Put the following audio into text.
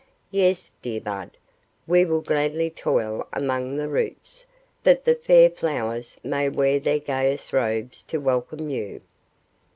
Yes, dear Bud, we will gladly toil among the roots, that the fair flowers may wear their gayest robes to welcome you."